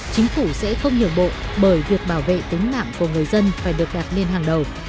chính phủ sẽ không nhường bộ bởi việc bảo vệ tính mạng của người dân phải được đặt lên hàng đầu